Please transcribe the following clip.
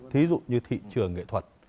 thí dụ như thị trường nghệ thuật